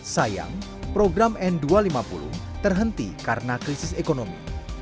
sayang program n dua ratus lima puluh terhenti karena krisis ekonomi